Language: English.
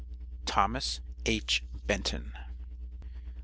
THOMAS H. BENTON.